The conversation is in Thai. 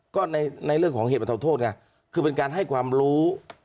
ก็ในเรื่องของเหตุบรรเทาโทษไงคือเป็นการให้ความรู้